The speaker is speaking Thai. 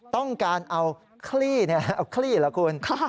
ต้องการเอาคลี่เอาคลี่เหรอคุณ